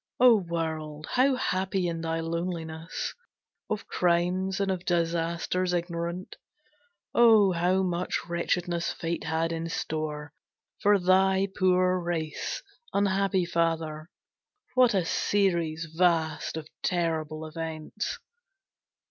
O world, how happy in thy loneliness, Of crimes and of disasters ignorant! Oh, how much wretchedness Fate had in store For thy poor race, unhappy father, what A series vast of terrible events!